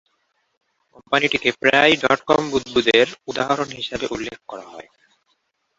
কোম্পানিটিকে প্রায়ই ডট-কম বুদবুদের উদাহরণ হিসাবে উল্লেখ করা হয়।